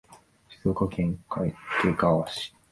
静岡県掛川市